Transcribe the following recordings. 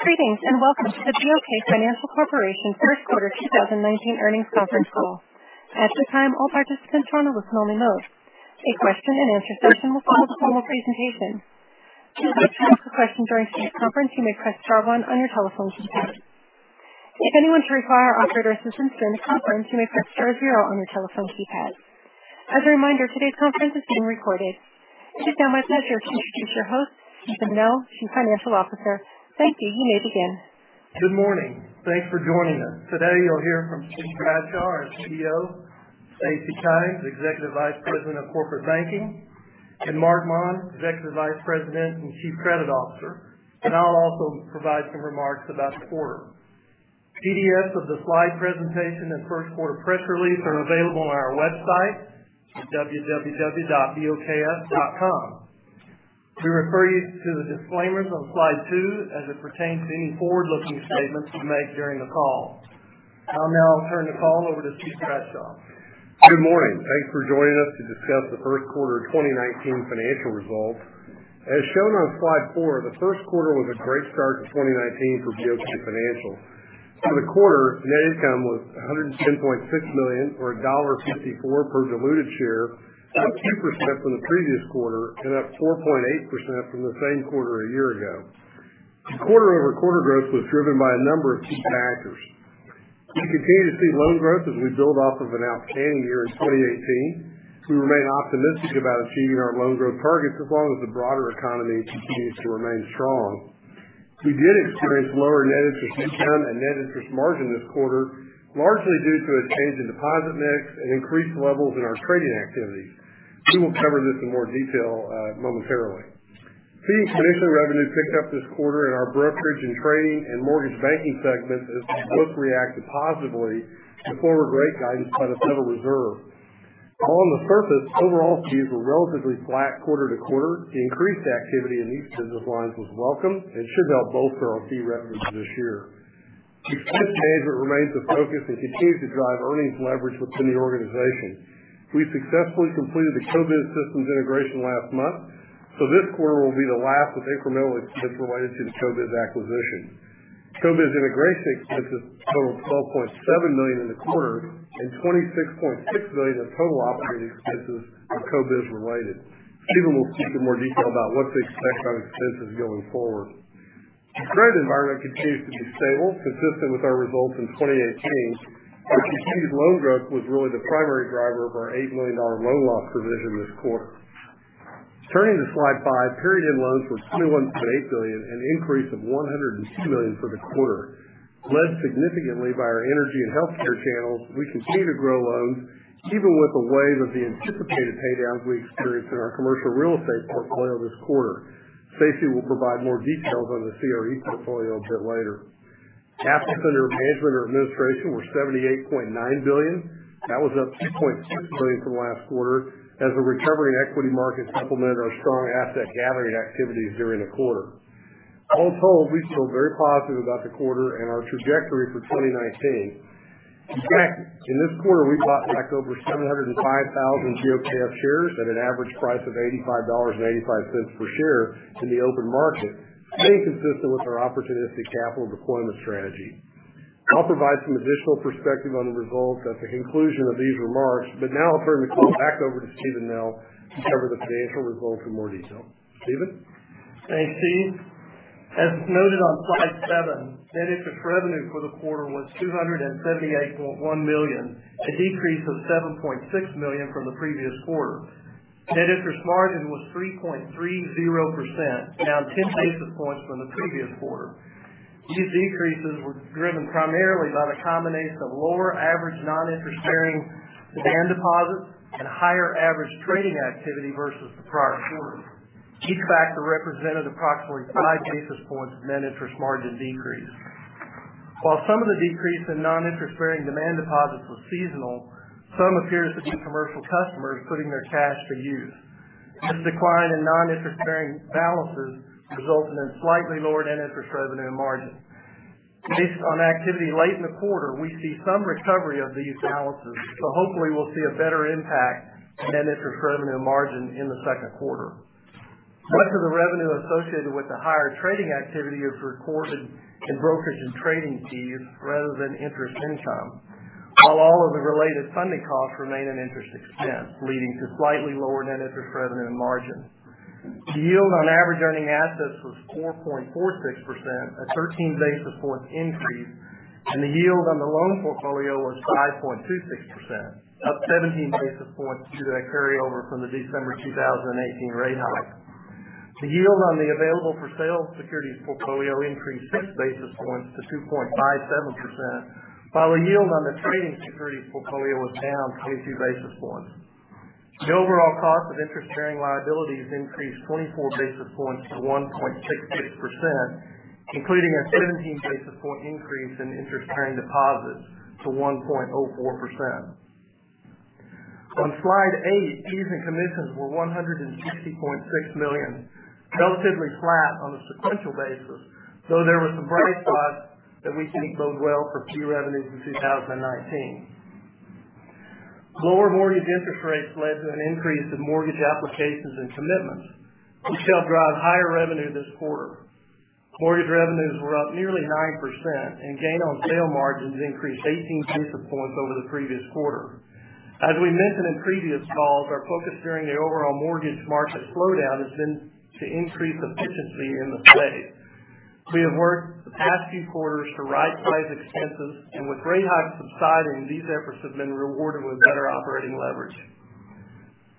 Greetings, and welcome to the BOK Financial Corporation first quarter 2019 earnings conference call. At this time, all participants are on a listen only mode. A question and answer session will follow the formal presentation. To ask a question during today's conference, you may press star one on your telephone keypad. If anyone should require operator assistance during the conference, you may press star zero on your telephone keypad. As a reminder, today's conference is being recorded. It is now my pleasure to introduce your host, Steven Nell, Chief Financial Officer. Thank you. You may begin. Good morning. Thanks for joining us. Today, you'll hear from Steve Bradshaw, our CEO, Stacy Kymes, Executive Vice President of Corporate Banking, and Marc Maun, Executive Vice President and Chief Credit Officer. I'll also provide some remarks about the quarter. PDFs of the slide presentation and first quarter press release are available on our website at www.bokf.com. We refer you to the disclaimers on slide two as it pertains to any forward-looking statements we make during the call. I'll now turn the call over to Steve Bradshaw. Good morning. Thanks for joining us to discuss the first quarter 2019 financial results. As shown on slide four, the first quarter was a great start to 2019 for BOK Financial. For the quarter, net income was $110.6 million, or $1.54 per diluted share, up 2% from the previous quarter and up 4.8% from the same quarter a year ago. The quarter-over-quarter growth was driven by a number of key factors. We continue to see loan growth as we build off of an outstanding year in 2018. We remain optimistic about achieving our loan growth targets as long as the broader economy continues to remain strong. We did experience lower net interest income and net interest margin this quarter, largely due to a change in deposit mix and increased levels in our trading activity. We will cover this in more detail momentarily. Fees and commission revenue picked up this quarter in our brokerage and trading and mortgage banking segments, as both reacted positively to former rate guidance by the Federal Reserve. While on the surface, overall fees were relatively flat quarter-to-quarter, the increased activity in these business lines was welcome and should help bolster our fee revenue this year. Expense management remains a focus and continues to drive earnings leverage within the organization. We successfully completed the CoBiz systems integration last month, so this quarter will be the last with incremental expense related to the CoBiz acquisition. CoBiz integration expenses totaled $12.7 million in the quarter, and $26.6 million of total operating expenses were CoBiz related. Steven will speak in more detail about what to expect on expenses going forward. The credit environment continues to be stable, consistent with our results in 2018. Continued loan growth was really the primary driver of our $8 million loan loss provision this quarter. Turning to slide five, period end loans were $21.8 billion, an increase of $102 million for the quarter. Led significantly by our energy and healthcare channels, we continue to grow loans even with a wave of the anticipated paydowns we experienced in our commercial real estate portfolio this quarter. Stacy will provide more details on the CRE portfolio a bit later. Assets under management or administration were $78.9 billion. That was up $2.6 billion from last quarter as the recovering equity markets complemented our strong asset gathering activities during the quarter. All told, we feel very positive about the quarter and our trajectory for 2019. In fact, in this quarter, we bought back over 705,000 BOKF shares at an average price of $85.85 per share in the open market, staying consistent with our opportunistic capital deployment strategy. I'll provide some additional perspective on the results at the conclusion of these remarks. Now I'll turn the call back over to Steven Nell to cover the financial results in more detail. Steven? Thanks, Steve. As noted on slide seven, net interest revenue for the quarter was $278.1 million, a decrease of $7.6 million from the previous quarter. Net interest margin was 3.30%, down 10 basis points from the previous quarter. These decreases were driven primarily by the combination of lower average non-interest-bearing demand deposits and higher average trading activity versus the prior quarter. Each factor represented approximately five basis points of net interest margin decrease. While some of the decrease in non-interest-bearing demand deposits was seasonal, some appears to be commercial customers putting their cash to use. This decline in non-interest-bearing balances resulted in slightly lower net interest revenue and margin. Hopefully we'll see a better impact on net interest revenue and margin in the second quarter. Much of the revenue associated with the higher trading activity is recorded in brokerage and trading fees rather than interest income. While all of the related funding costs remain in interest expense, leading to slightly lower net interest revenue and margin. The yield on average earning assets was 4.46%, a 13 basis points increase, and the yield on the loan portfolio was 5.26%, up 17 basis points due to that carryover from the December 2018 rate hike. The yield on the available for sale securities portfolio increased six basis points to 2.57%, while the yield on the trading securities portfolio was down 22 basis points. The overall cost of interest-bearing liabilities increased 24 basis points to 1.66%, including a 17 basis point increase in interest-bearing deposits to 1.04%. On slide eight, fees and commissions were $160.6 million, relatively flat on a sequential basis, though there were some bright spots that we think bode well for fee revenues in 2019. Lower mortgage interest rates led to an increase in mortgage applications and commitments, which helped drive higher revenue this quarter. Mortgage revenues were up nearly 9%, and gain on sale margins increased 18 basis points over the previous quarter. As we mentioned in previous calls, our focus during the overall mortgage market slowdown has been to increase efficiency in the play. We have worked the past few quarters to right-size expenses, and with rate hikes subsiding, these efforts have been rewarded with better operating leverage.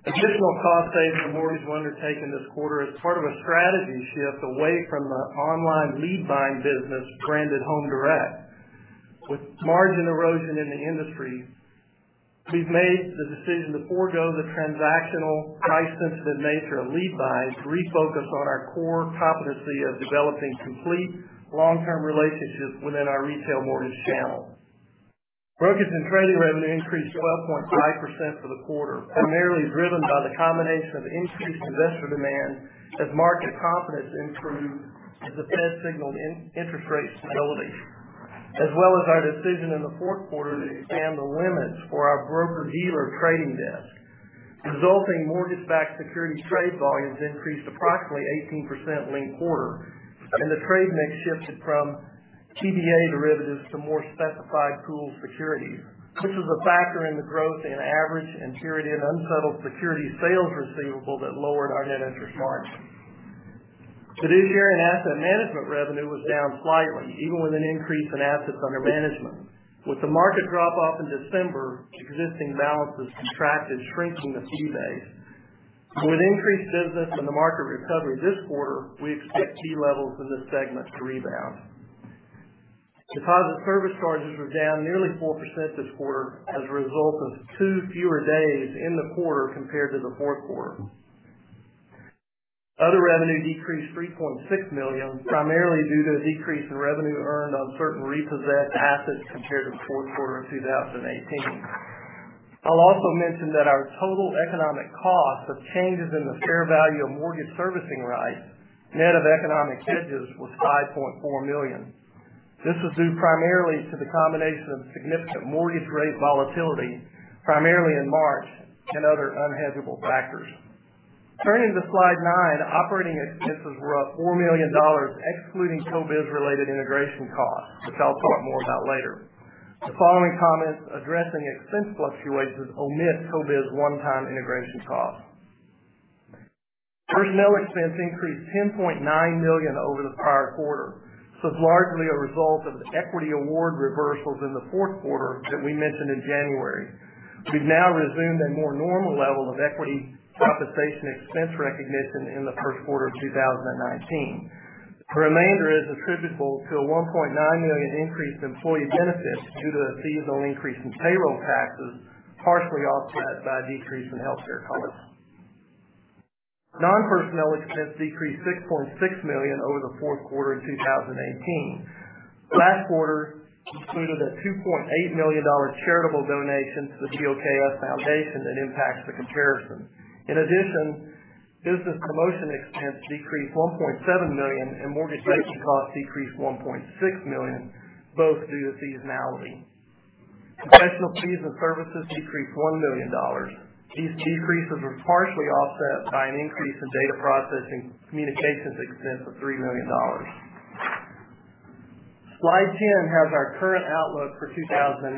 Additional cost savings in mortgage were undertaken this quarter as part of a strategy shift away from the online lead buying business branded Home Direct. With margin erosion in the industry, we've made the decision to forego the transactional price-sensitive nature of lead buys to refocus on our core competency of developing complete long-term relationships within our retail mortgage channel. Brokers and trading revenue increased 12.5% for the quarter, primarily driven by the combination of increased investor demand as market confidence improved, as the Fed signaled interest rate stability, as well as our decision in the fourth quarter to expand the limits for our broker-dealer trading desk. Resulting mortgage-backed securities trade volumes increased approximately 18% linked quarter, and the trade mix shifted from TBA derivatives to more specified pool securities. This was a factor in the growth in average and period unsettled security sales receivable that lowered our net interest margin. Fiduciary and asset management revenue was down slightly, even with an increase in assets under management. With the market drop-off in December, existing balances contracted, shrinking the fee base. With increased business and the market recovery this quarter, we expect key levels in this segment to rebound. Deposit service charges were down nearly 4% this quarter as a result of two fewer days in the quarter compared to the fourth quarter. Other revenue decreased $3.6 million, primarily due to a decrease in revenue earned on certain repossessed assets compared to the fourth quarter of 2018. I'll also mention that our total economic cost of changes in the fair value of mortgage servicing rights, net of economic hedges, was $5.4 million. This was due primarily to the combination of significant mortgage rate volatility, primarily in March, and other unhedgeable factors. Turning to slide nine, operating expenses were up $4 million, excluding CoBiz-related integration costs, which I'll talk more about later. The following comments addressing expense fluctuations omit CoBiz one-time integration costs. Personnel expense increased $10.9 million over the prior quarter. This was largely a result of equity award reversals in the fourth quarter that we mentioned in January. We've now resumed a more normal level of equity compensation expense recognition in the first quarter of 2019. The remainder is attributable to a $1.9 million increase in employee benefits due to a seasonal increase in payroll taxes, partially offset by a decrease in healthcare costs. Non-personnel expense decreased $6.6 million over the fourth quarter of 2018. Last quarter included a $2.8 million charitable donation to the BOKF Foundation that impacts the comparison. Business promotion expense decreased $1.7 million, and mortgage banking costs decreased $1.6 million, both due to seasonality. Professional fees and services decreased $1 million. These decreases were partially offset by an increase in data processing communications expense of $3 million. Slide 10 has our current outlook for 2019.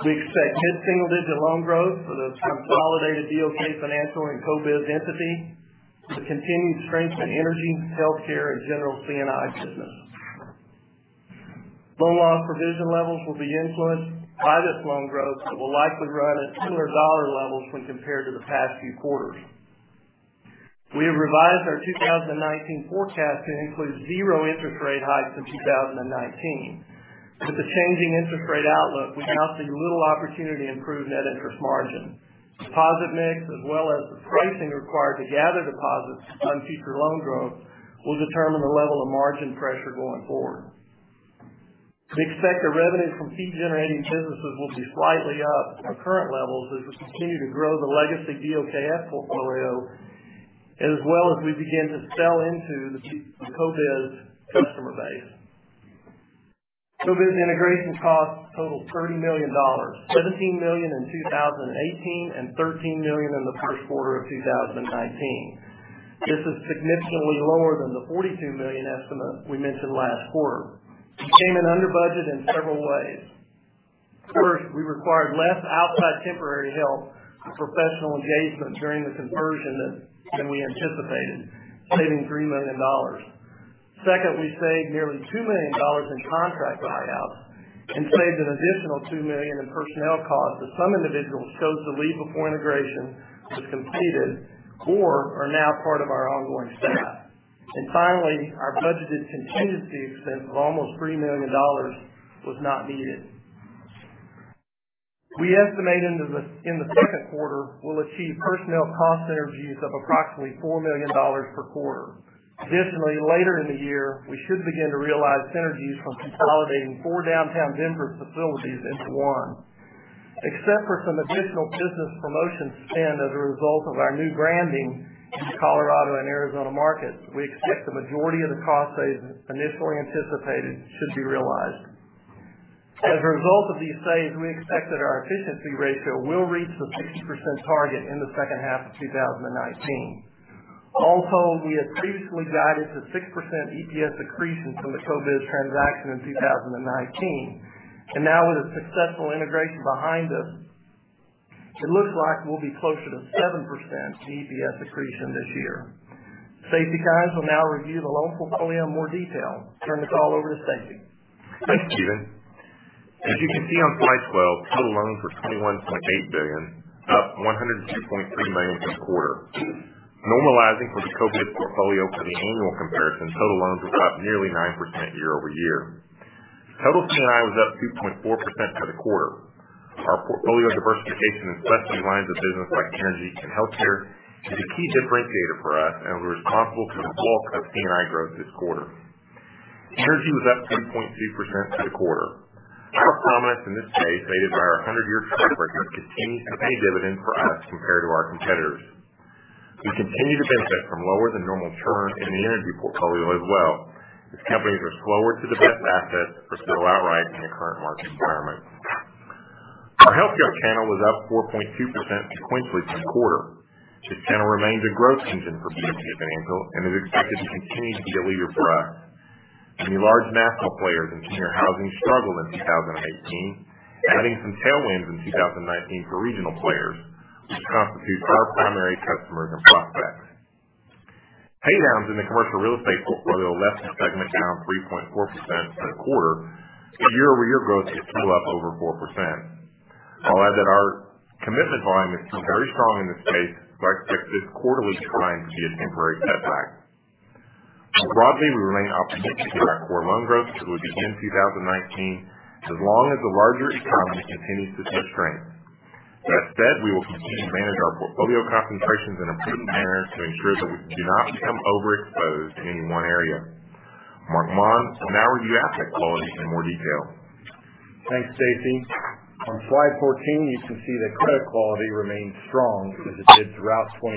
We expect mid-single-digit loan growth for the consolidated BOK Financial and CoBiz entity, with continued strength in energy, healthcare, and general C&I business. Loan loss provision levels will be influenced by this loan growth, but will likely run at similar dollar levels when compared to the past few quarters. We have revised our 2019 forecast to include zero interest rate hikes in 2019. With the changing interest rate outlook, we now see little opportunity to improve net interest margin. Deposit mix, as well as the pricing required to gather deposits to fund future loan growth, will determine the level of margin pressure going forward. We expect our revenue from fee-generating businesses will be slightly up from current levels as we continue to grow the legacy BOKF portfolio, as well as we begin to sell into the CoBiz customer base. CoBiz integration costs totaled $30 million, $17 million in 2018 and $13 million in the first quarter of 2019. This is significantly lower than the $42 million estimate we mentioned last quarter. We came in under budget in several ways. First, we required less outside temporary help and professional engagement during the conversion than we anticipated, saving $3 million. Second, we saved nearly $2 million in contract write-offs and saved an additional $2 million in personnel costs as some individuals chose to leave before integration was completed or are now part of our ongoing staff. Finally, our budgeted contingency expense of almost $3 million was not needed. We estimate in the second quarter, we'll achieve personnel cost synergies of approximately $4 million per quarter. Additionally, later in the year, we should begin to realize synergies from consolidating four downtown Denver facilities into one. Except for some additional business promotion spend as a result of our new branding in the Colorado and Arizona markets, we expect the majority of the cost savings initially anticipated should be realized. As a result of these savings, we expect that our efficiency ratio will reach the 60% target in the second half of 2019. We had previously guided to 6% EPS accretion from the CoBiz transaction in 2019, and now with a successful integration behind us, it looks like we'll be closer to 7% in EPS accretion this year. Stacy Kymes will now review the loan portfolio in more detail. I turn the call over to Stacy. Thanks, Steven. As you can see on slide 12, total loans were $21.8 billion, up $102.3 million from the quarter. Normalizing for the CoBiz portfolio for the annual comparison, total loans were up nearly 9% year-over-year. Total C&I was up 2.4% for the quarter. Our portfolio diversification in specialty lines of business like energy and healthcare is a key differentiator for us and was responsible for the bulk of C&I growth this quarter. Energy was up 7.2% for the quarter. Our prominence in this space, aided by our 100-year track record, continues to pay dividends for us compared to our competitors. We continue to benefit from lower than normal churn in the energy portfolio as well, as companies are slower to divest assets or sell outright in the current market environment. Our healthcare channel was up 4.2% sequentially in the quarter. This channel remains a growth engine for BOK Financial and is expected to continue to be a leader for us. Many large national players in senior housing struggled in 2018, adding some tailwinds in 2019 for regional players, which constitute our primary customers and prospects. Paydowns in the commercial real estate portfolio left the segment down 3.4% for the quarter, but year-over-year growth is still up over 4%. I'll add that our commitment volume has been very strong in this space, so I expect this quarterly decline to be a temporary setback. More broadly, we remain optimistic about core loan growth through the end of 2019, and as long as the larger economy continues to show strength. That said, we will continue to manage our portfolio concentrations in a prudent manner to ensure that we do not become overexposed to any one area. Marc Maun will now review asset quality in more detail. Thanks, Stacy. On slide 14, you can see that credit quality remains strong as it did throughout 2018.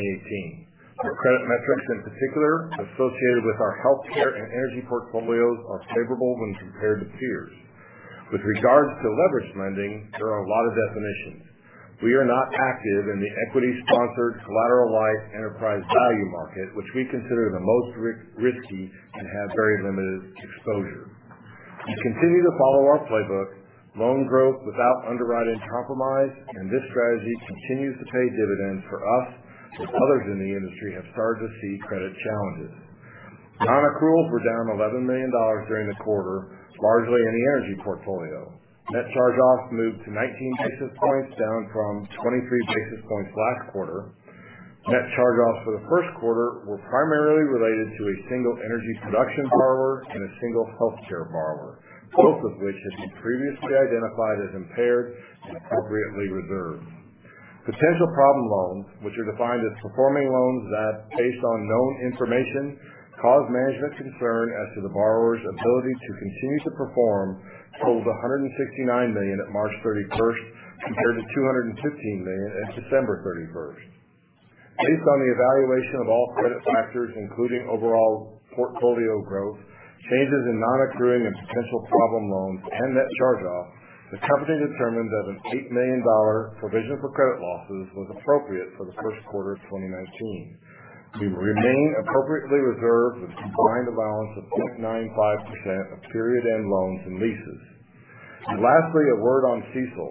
Our credit metrics, in particular, associated with our healthcare and energy portfolios, are favorable when compared to peers. With regards to leveraged lending, there are a lot of definitions. We are not active in the equity-sponsored, collateralized enterprise value market, which we consider the most risky and have very limited exposure. We continue to follow our playbook, loan growth without underwriting compromise, and this strategy continues to pay dividends for us as others in the industry have started to see credit challenges. Non-accruals were down $11 million during the quarter, largely in the energy portfolio. Net charge-offs moved to 19 basis points, down from 23 basis points last quarter. Net charge-offs for the first quarter were primarily related to a single energy production borrower and a single healthcare borrower, both of which had been previously identified as impaired and appropriately reserved. Potential problem loans, which are defined as performing loans that, based on known information, cause management concern as to the borrower's ability to continue to perform, totaled $169 million at March 31st, compared to $215 million at December 31st. Based on the evaluation of all credit factors, including overall portfolio growth, changes in non-accruing and potential problem loans, and net charge-off, the company determined that an $8 million provision for credit losses was appropriate for the first quarter of 2019. We remain appropriately reserved with a combined allowance of 2.95% of period-end loans and leases. Lastly, a word on CECL.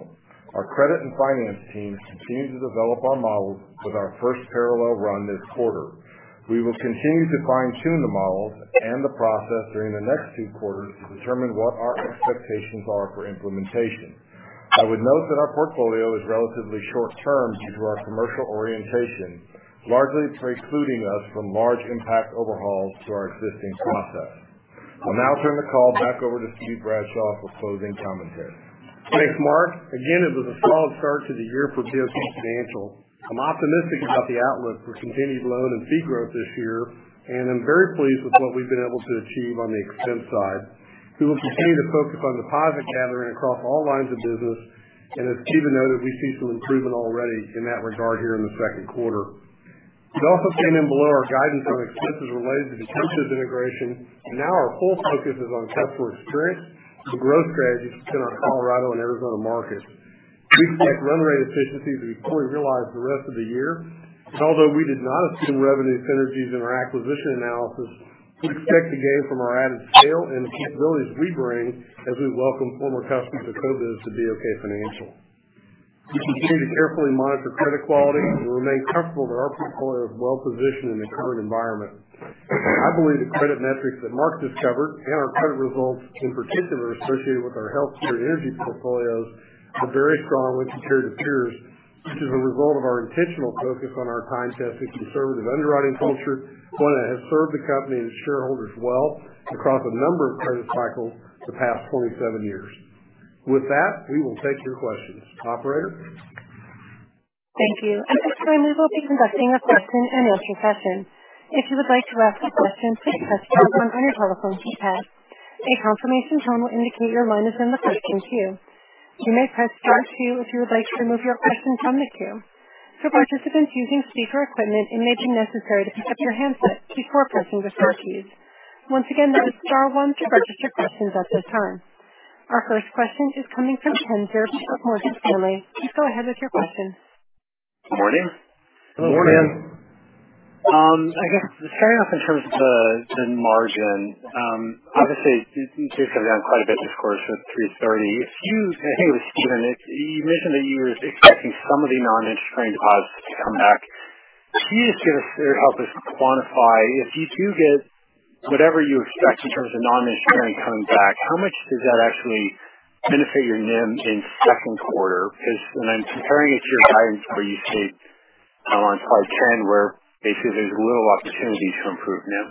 Our credit and finance team continue to develop our models with our first parallel run this quarter. We will continue to fine-tune the models and the process during the next two quarters to determine what our expectations are for implementation. I would note that our portfolio is relatively short-term due to our commercial orientation, largely precluding us from large impact overhauls to our existing process. I'll now turn the call back over to Steve Bradshaw for closing commentary. Thanks, Marc. Again, it was a solid start to the year for BOK Financial. I'm optimistic about the outlook for continued loan and fee growth this year. I'm very pleased with what we've been able to achieve on the expense side. We will continue to focus on deposit gathering across all lines of business. As Steven noted, we see some improvement already in that regard here in the second quarter. We also came in below our guidance on expenses related to CoBiz integration. Now our full focus is on customer experience and growth strategies in our Colorado and Arizona markets. We expect run rate efficiencies to fully realize the rest of the year. Although we did not assume revenue synergies in our acquisition analysis, we expect to gain from our added scale and the capabilities we bring as we welcome former customers of CoBiz to BOK Financial. We continue to carefully monitor credit quality and remain comfortable that our portfolio is well positioned in the current environment. I believe the credit metrics that Marc just covered and our credit results, in particular, associated with our healthcare and energy portfolios, are very strong when compared to peers, which is a result of our intentional focus on our time-tested conservative underwriting culture, one that has served the company and its shareholders well across a number of credit cycles the past 27 years. With that, we will take your questions. Operator? Thank you. At this time, we will be conducting a question and answer session. If you would like to ask a question, please press star one on your telephone keypad. A confirmation tone will indicate your line is in the question queue. You may press star two if you would like to remove your question from the queue. For participants using speaker equipment, it may be necessary to pick up your handset before pressing the star keys. Once again, that is star one to register questions at this time. Our first question is coming from Ken Zerbe of Morgan Stanley. Please go ahead with your question. Good morning. Hello. Good morning. I guess, starting off in terms of the margin. Obviously, you guys have down quite a bit this quarter with 3.30%. I think it was Steven, you mentioned that you were expecting some of the non-interest-bearing deposits to come back. Can you just help us quantify, if you do get whatever you expect in terms of non-interest-bearing coming back, how much does that actually benefit your NIM in second quarter? Because when I'm comparing it to your guidance where you state on slide 10 where basically there's little opportunities to improve NIM.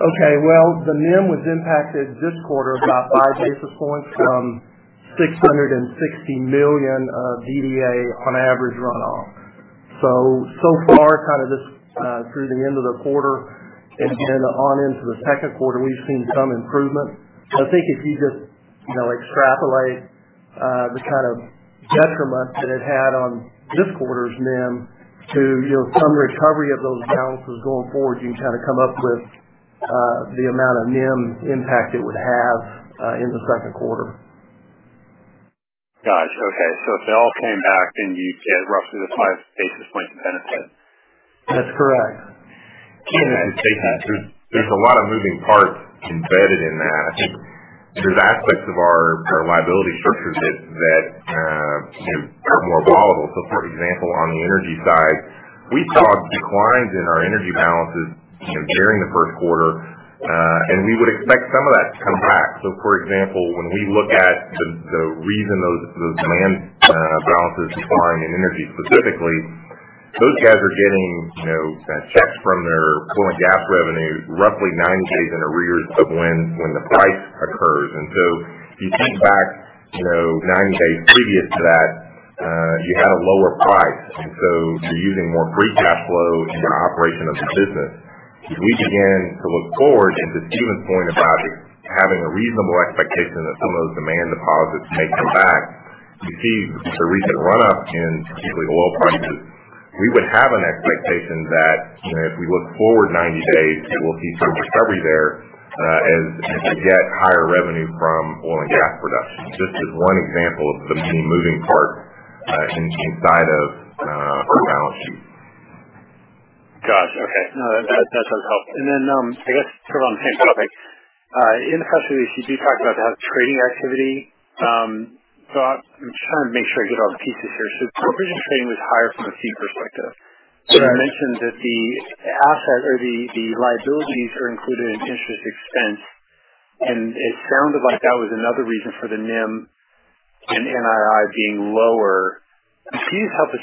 Well, the NIM was impacted this quarter about five basis points from $660 million of DDA on average runoff. So far, kind of just through the end of the quarter and then on into the second quarter, we've seen some improvement. I think if you just extrapolate the kind of detriment that it had on this quarter's NIM to some recovery of those balances going forward, you kind of come up with the amount of NIM impact it would have in the second quarter. Got you. Okay. If they all came back then you'd get roughly the five basis point benefit? That's correct. This is Stacy. There's a lot of moving parts embedded in that. There's aspects of our liability structure that are more volatile. For example, on the energy side, we saw declines in our energy balances during the first quarter. We would expect some of that to come back. For example, when we look at the reason those demand balances decline in energy specifically, those guys are getting checks from their oil and gas revenue roughly 90 days in arrears of when the price occurs. You take back 90 days previous to that, you had a lower price, you're using more free cash flow in your operation of the business. As we begin to look forward and to Steven's point about having a reasonable expectation that some of those demand deposits may come back, you see the recent run-up in particularly oil prices, we would have an expectation that if we look forward 90 days, we'll see some recovery there as we get higher revenue from oil and gas production. Just as one example of the many moving parts inside of our balance sheet. Got you. Okay. No, that does help. I guess sort of on the same topic. In the press release you do talk about the trading activity. I'm just trying to make sure I get all the pieces here. Brokerage trading was higher from a fee perspective. You mentioned that the asset or the liabilities are included in interest expense, and it sounded like that was another reason for the NIM and NII being lower. Can you just help us,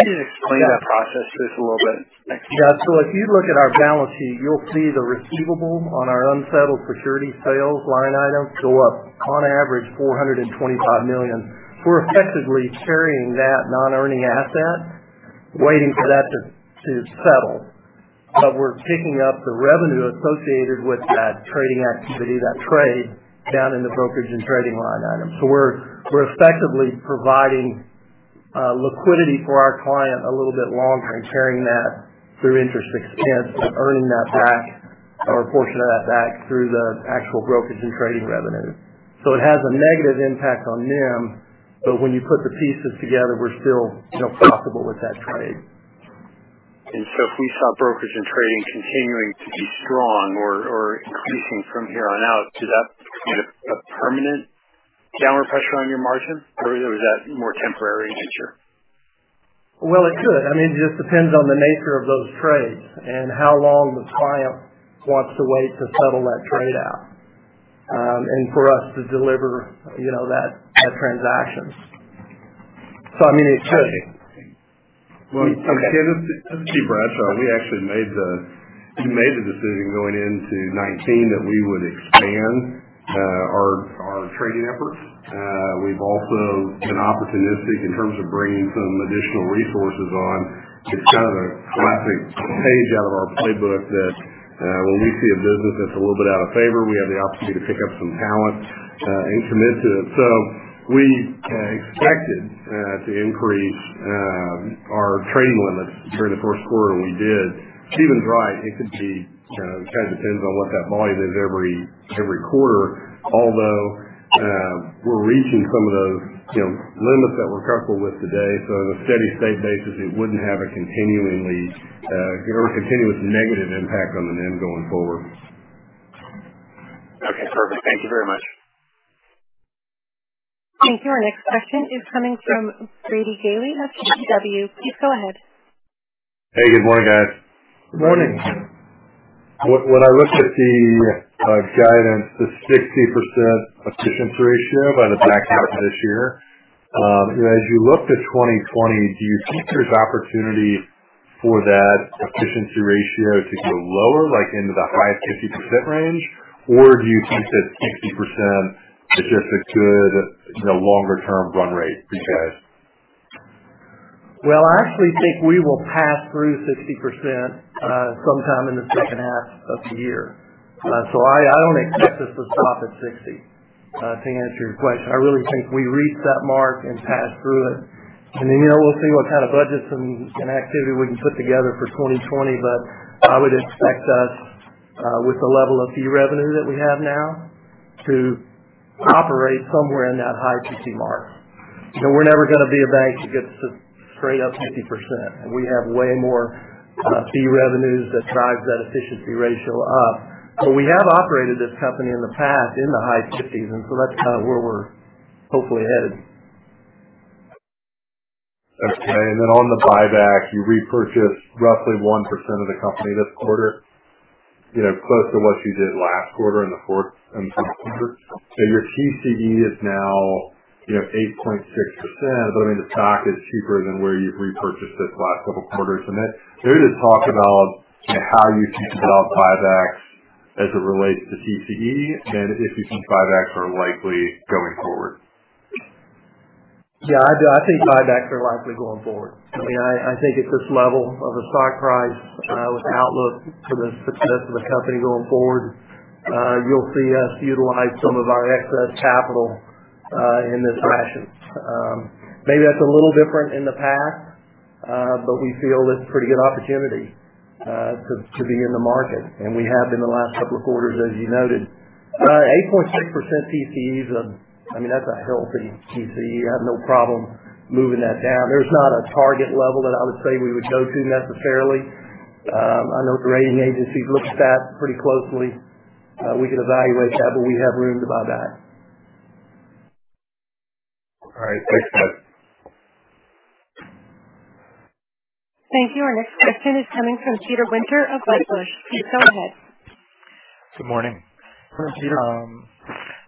can you just explain that process to us a little bit? Yeah. If you look at our balance sheet, you'll see the receivable on our unsettled security sales line item go up on average $425 million. We're effectively carrying that non-earning asset, waiting for that to settle. We're picking up the revenue associated with that trading activity, that trade, down in the brokerage and trading line item. We're effectively providing liquidity for our client a little bit longer and carrying that through interest expense, earning that back or a portion of that back through the actual brokerage and trading revenue. It has a negative impact on NIM, but when you put the pieces together, we're still profitable with that trade. If we saw brokerage and trading continuing to be strong or increasing from here on out, does that create a permanent downward pressure on your margin or is that more temporary in nature? Well, it could. I mean, it just depends on the nature of those trades and how long the client wants to wait to settle that trade out and for us to deliver that transaction. I mean, it could. Well, Ken, this is Steve Bradshaw. We actually made the decision going into 2019 that we would expand our trading efforts. We've also been opportunistic in terms of bringing some additional resources on. It's kind of a classic page out of our playbook that when we see a business that's a little bit out of favor, we have the opportunity to pick up some talent intermittently. We expected to increase our trading limits during the first quarter, and we did. Steven's right. It could be, kind of depends on what that volume is every quarter. Although, we're reaching some of those limits that we're comfortable with today. On a steady state basis, it wouldn't have a continuous negative impact on the NIM going forward. Okay, perfect. Thank you very much. Thank you. Our next question is coming from Brady Gailey of KBW. Please go ahead. Hey, good morning, guys. Good morning. Good morning. When I look at the guidance, the 60% efficiency ratio by the back half of this year, as you look to 2020, do you think there's opportunity for that efficiency ratio to go lower, like into the high 50% range, or do you think that 60% is just a good longer term run rate for you guys? I actually think we will pass through 60% sometime in the second half of the year. I don't expect us to stop at 60, to answer your question. I really think we reach that mark and pass through it, and then we'll see what kind of budgets and activity we can put together for 2020. I would expect us, with the level of fee revenue that we have now, to operate somewhere in that high 50 mark. We're never going to be a bank that gets to straight up 50%, and we have way more fee revenues that drive that efficiency ratio up. We have operated this company in the past in the high 50s, and so that's kind of where we're hopefully headed. Okay. On the buyback, you repurchased roughly 1% of the company this quarter, close to what you did last quarter in the fourth quarter. Your TCE is now 8.6%. The stock is cheaper than where you've repurchased this last couple quarters. I'm interested to talk about how you think about buybacks as it relates to TCE and if you think buybacks are likely going forward. I think buybacks are likely going forward. I think at this level of a stock price, with the outlook for the success of the company going forward, you'll see us utilize some of our excess capital in this fashion. Maybe that's a little different in the past, but we feel it's a pretty good opportunity to be in the market, and we have in the last couple of quarters, as you noted. 8.6% TCE. That's a healthy TCE. I have no problem moving that down. There's not a target level that I would say we would go to necessarily. I know the rating agencies look at that pretty closely. We can evaluate that, but we have room to buyback. All right. Thanks. [inaudible] Thank you. Our next question is coming from Peter Winter of Wedbush. Please go ahead. Good morning. Good morning, Peter.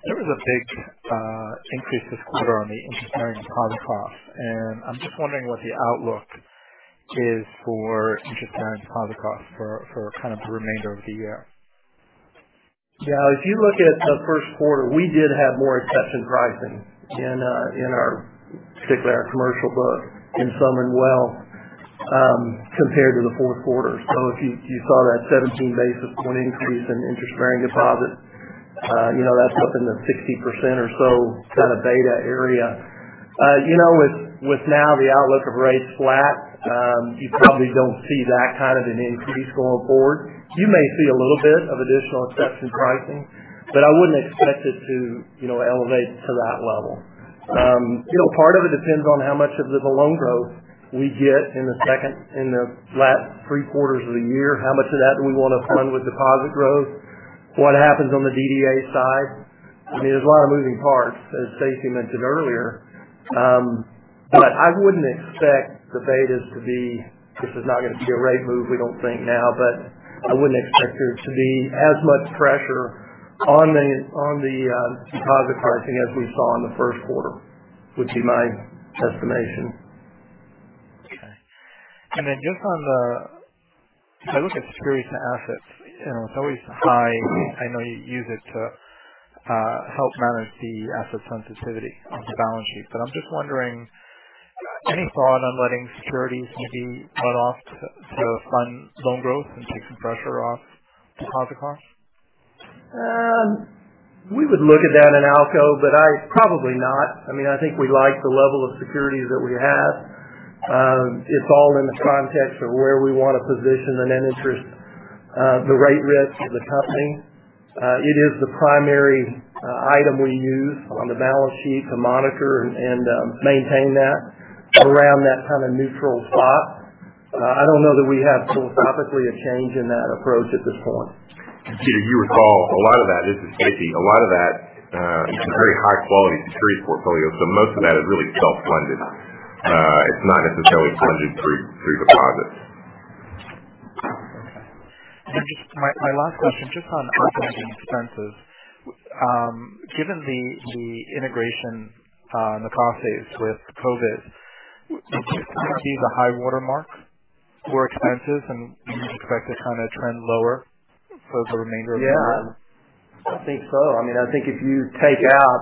There was a big increase this quarter on the interest bearing deposit cost, I'm just wondering what the outlook is for interest bearing deposit cost for the remainder of the year. Yeah. If you look at the first quarter, we did have more exception pricing in, particularly our commercial book in some and well compared to the fourth quarter. If you saw that 17 basis point increase in interest bearing deposit, that's up in the 15% or so kind of beta area. With now the outlook of rates flat, you probably don't see that kind of an increase going forward. You may see a little bit of additional exception pricing, but I wouldn't expect it to elevate to that level. Part of it depends on how much of the loan growth we get in the last three quarters of the year, how much of that do we want to fund with deposit growth, what happens on the DDA side. There's a lot of moving parts, as Stacy mentioned earlier. I wouldn't expect the betas. This is not going to be a rate move, we don't think now, but I wouldn't expect there to be as much pressure on the deposit pricing as we saw in the first quarter, would be my estimation. Okay. Then just if I look at securities and assets, it's always high. I know you use it to help manage the asset sensitivity on the balance sheet, but I'm just wondering, any thought on letting securities maybe run off to fund loan growth and take some pressure off deposit costs? We would look at that in ALCO, but probably not. I think we like the level of securities that we have. It's all in the context of where we want to position the net interest, the rate risk of the company. It is the primary item we use on the balance sheet to monitor and maintain that around that kind of neutral spot. I don't know that we have philosophically a change in that approach at this point. Peter, you recall, this is Stacy. A lot of that is a very high-quality security portfolio, most of that is really self-funded. It's not necessarily funded through deposits. Okay. Just my last question, just on operating expenses. Given the integration in the process with CoBiz, would you see the high water mark for expenses, and you expect to kind of trend lower for the remainder of the year? Yeah, I think so. I think if you take out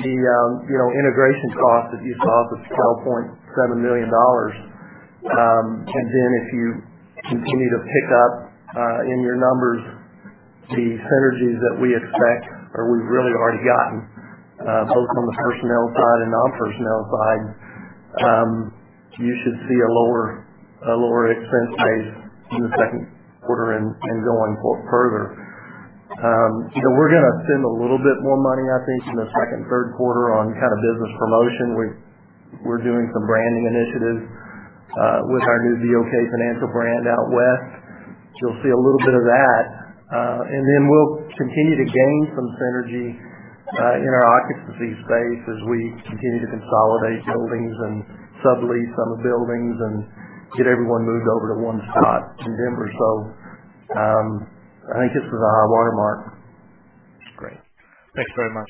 the integration cost that you saw of $12.7 million, then if you continue to pick up in your numbers the synergies that we expect, or we've really already gotten, both on the personnel side and non-personnel side you should see a lower expense base in the second quarter and going further. We're going to spend a little bit more money, I think, in the second, third quarter on business promotion. We're doing some branding initiatives with our new BOK Financial brand out West. You'll see a little bit of that. Then we'll continue to gain some synergy in our occupancy space as we continue to consolidate buildings and sublease some of the buildings and get everyone moved over to one spot in Denver. I think this is our watermark. Great. Thanks very much.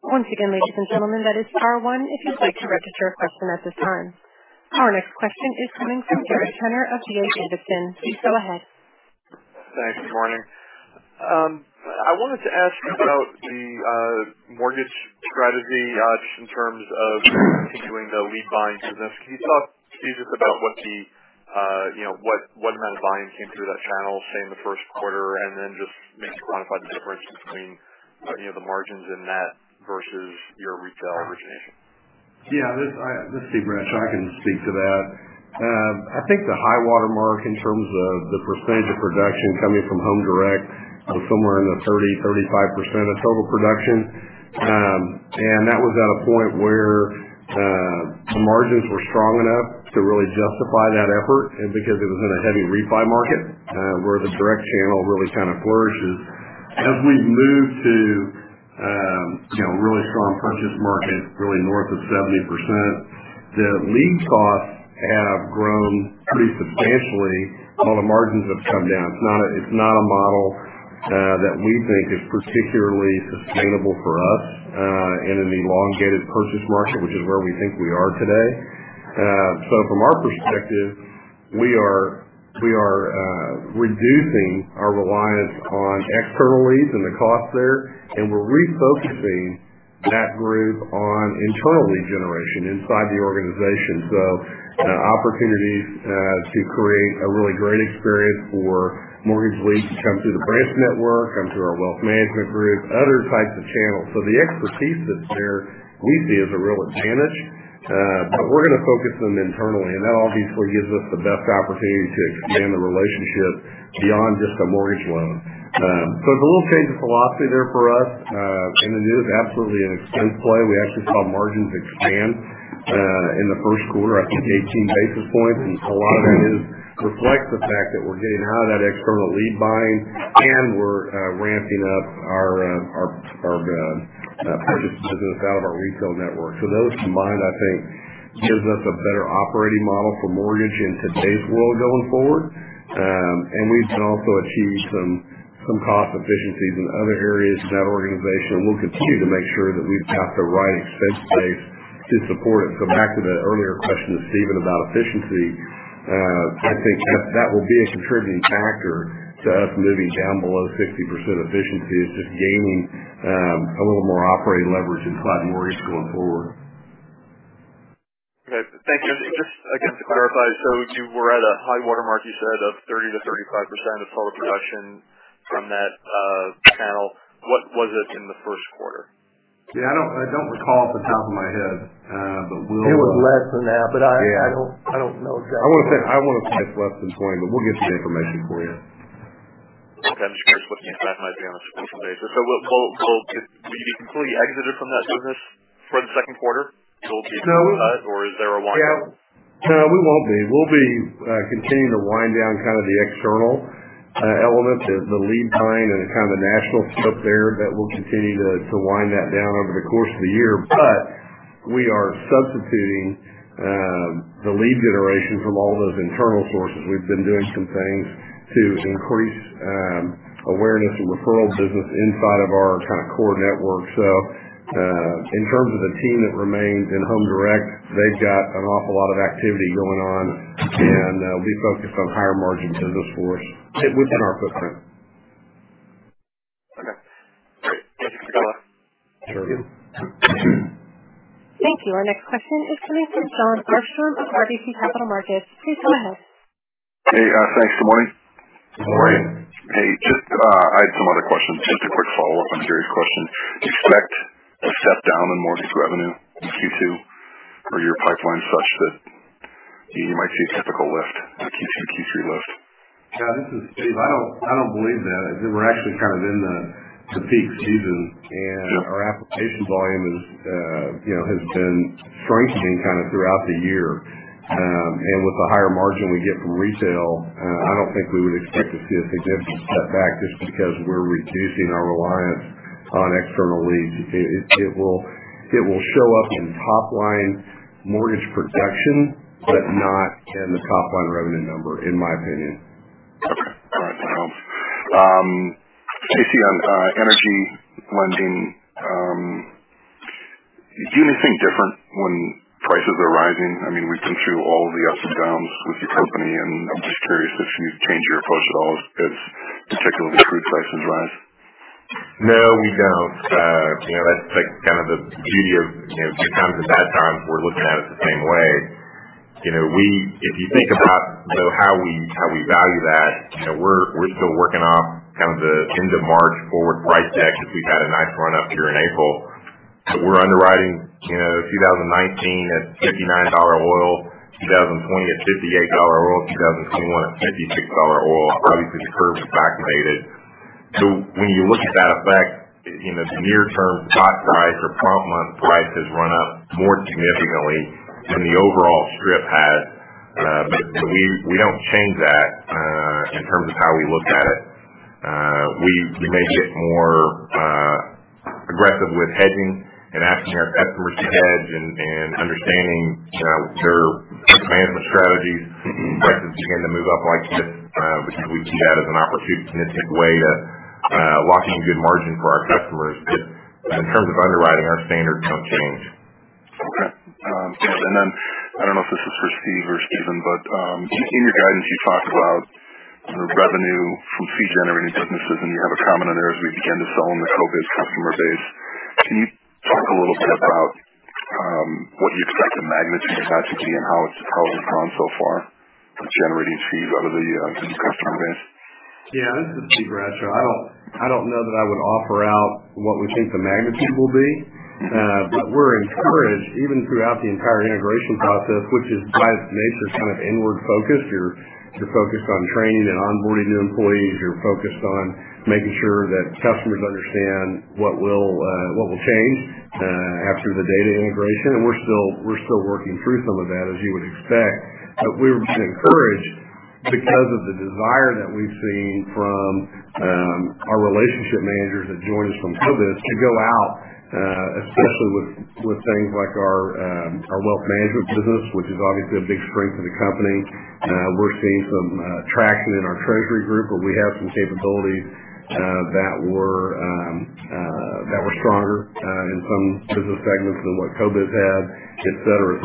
Once again, ladies and gentlemen, that is star one if you'd like to register a question at this time. Our next question is coming from Gary Turner of D.A. Davidson. Please go ahead. Thanks. Good morning. I wanted to ask about the mortgage strategy, just in terms of continuing the lead buying business. Can you talk to me just about what kind of buying came through that channel, say, in the first quarter, and then just maybe quantify the difference between the margins in that versus your retail origination? This is Steve Bradshaw. I can speak to that. I think the high water mark in terms of the percentage of production coming from Home Direct was somewhere in the 30%-35% of total production. That was at a point where the margins were strong enough to really justify that effort, and because it was in a heavy refi market, where the direct channel really flourishes. As we've moved to really strong purchase market, really north of 70%, the lead costs have grown pretty substantially while the margins have come down. It's not a model that we think is particularly sustainable for us, and in the elongated purchase market, which is where we think we are today. From our perspective, we are reducing our reliance on external leads and the cost there, and we're refocusing that group on internal lead generation inside the organization. Opportunities to create a really great experience for mortgage leads to come through the branch network, come through our wealth management group, other types of channels. The expertise that's there, we see as a real advantage. We're going to focus them internally, and that obviously gives us the best opportunity to expand the relationship beyond just a mortgage loan. There's a little change of philosophy there for us. In the near, absolutely an expense play. We actually saw margins expand in the first quarter, I think 18 basis points. A lot of that reflects the fact that we're getting out of that external lead buying and we're ramping up our purchase business out of our retail network. Those combined, I think, gives us a better operating model for mortgage in today's world going forward. We can also achieve some cost efficiencies in other areas of that organization. We'll continue to make sure that we've got the right expense base to support it. Back to the earlier question to Steven about efficiency, I think that will be a contributing factor to us moving down below 50% efficiency. It's just gaining a little more operating leverage inside mortgage going forward. Okay. Thank you. Just again to clarify, you were at a high water mark, you said, of 30%-35% of total production from that channel. What was it in the first quarter? Yeah, I don't recall off the top of my head. It was less than that, but I don't know exactly. I want to say it's less than 20. We'll get some information for you. Okay. I'm just curious what the impact might be on a sequential basis. Would you be completely exited from that business for the second quarter? No. Is there a wind down? No, we won't be. We'll be continuing to wind down kind of the external element, the lead buying, and kind of the national stuff there that we'll continue to wind that down over the course of the year. We are substituting the lead generation from all those internal sources. We've been doing some things to increase awareness and referral business inside of our core network. In terms of the team that remains in Home Direct, they've got an awful lot of activity going on, and we focused on higher margin business for us within our footprint. Okay. Thank you. Sure. Thank you. Our next question is coming from Jon Arfstrom of RBC Capital Markets. Please go ahead. Hey. Thanks. Good morning. Good morning. Hey, I had some other questions. Just a quick follow-up on Gary's question. Do you expect a step down in mortgage revenue in Q2? Or are your pipelines such that you might see a typical lift, a Q2, Q3 lift? Yeah, this is Steve. I don't believe that. We're actually kind of in the peak season. Sure. Our application volume has been strengthening kind of throughout the year. With the higher margin we get from retail, I don't think we would expect to see a significant step back just because we're reducing our reliance on external leads. It will show up in top-line mortgage production, but not in the top-line revenue number, in my opinion. Okay. All right. Sounds. JC, on energy lending, do you anything different when prices are rising? We've been through all the ups and downs with your company, and I'm just curious if you change your approach at all as particularly crude prices rise. No, we don't. That's kind of the beauty of good times and bad times, we're looking at it the same way. If you think about how we value that, we're still working off kind of the end of March forward price deck as we've had a nice run up here in April. We're underwriting 2019 at $59 oil, 2020 at $58 oil, 2021 at $56 oil. Obviously, the curve is back dated. When you look at that effect, the near term spot price or front month price has run up more significantly than the overall strip has. We don't change that in terms of how we look at it. We may get more aggressive with hedging and asking our customers to hedge and understanding their risk management strategies. Prices begin to move up like this, we see that as an opportunistic way to lock in good margin for our customers. In terms of underwriting, our standards don't change. Okay. I don't know if this is for Steve or Stephen, in your guidance, you talked about revenue from fee-generating businesses, and you have a comment in there as we begin to sell on the CoBiz customer base. Can you talk a little bit about what you expect the magnitude of that to be and how it's gone so far with generating fees out of the existing customer base? This is Steve Bradshaw. I don't know that I would offer out what we think the magnitude will be. We're encouraged, even throughout the entire integration process, which is, by its nature, inward-focused. You're focused on training and onboarding new employees. You're focused on making sure that customers understand what will change after the data integration. We're still working through some of that, as you would expect. We've been encouraged because of the desire that we've seen from our relationship managers that joined us from CoBiz to go out, especially with things like our wealth management business, which is obviously a big strength of the company. We're seeing some traction in our treasury group, where we have some capabilities that were stronger in some business segments than what CoBiz had, et cetera.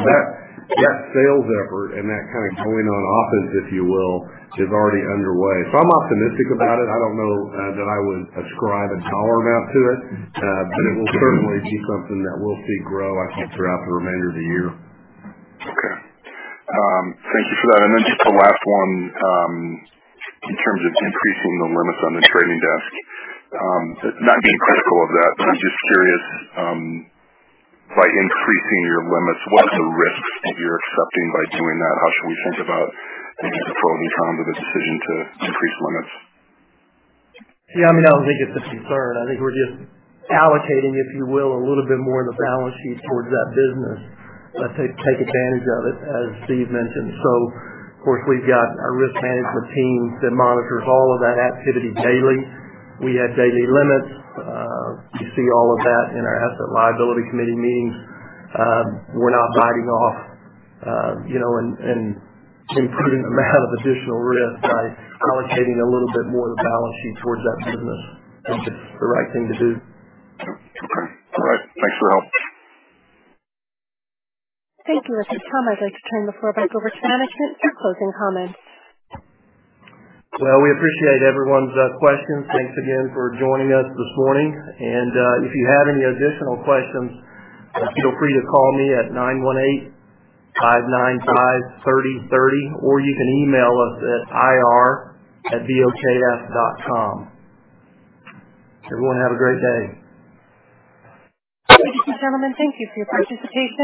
That sales effort and that going on offense, if you will, is already underway. I'm optimistic about it. I don't know that I would ascribe a dollar amount to it, but it will certainly be something that we'll see grow, I think, throughout the remainder of the year. Okay. Thank you for that. Just the last one, in terms of increasing the limits on the trading desk. Not being critical of that, but I'm just curious, by increasing your limits, what are the risks that you're accepting by doing that? How should we think about the pros and cons of the decision to increase limits? I don't think it's a concern. I think we're just allocating, if you will, a little bit more of the balance sheet towards that business to take advantage of it, as Steve mentioned. Of course, we've got our risk management team that monitors all of that activity daily. We have daily limits. You see all of that in our Asset/Liability Committee meetings. We're not biting off and including amount of additional risk by allocating a little bit more of the balance sheet towards that business. I think it's the right thing to do. Okay. All right. Thanks for all. Thank you. At this time, I'd like to turn the floor back over to management for closing comments. Well, we appreciate everyone's questions. Thanks again for joining us this morning. If you have any additional questions, feel free to call me at 918 595 3030, or you can email us at ir@bokf.com. Everyone, have a great day. Ladies and gentlemen, thank you for your participation.